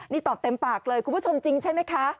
นี่ตอบเต็มปากเลยคุณผู้ชมจริงใช่ไหมคะ